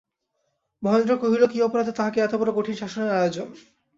মহেন্দ্র কহিল, কী অপরাধে তাহাকে এতবড়ো কঠিন শাসনের আয়োজন।